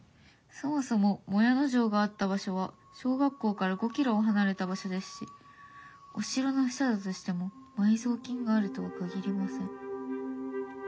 そもそも靄野城があった場所は小学校から５キロ離れた場所ですしお城の下だとしても埋蔵金があるとは限りません」。